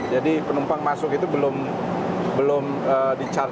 jadi penumpang masuk itu belum di charge